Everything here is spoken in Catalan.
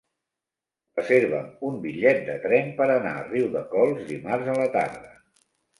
Reserva'm un bitllet de tren per anar a Riudecols dimarts a la tarda.